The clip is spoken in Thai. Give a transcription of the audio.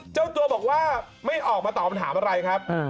เจ้าตัวบอกว่าไม่ออกมาตอบคำถามอะไรครับ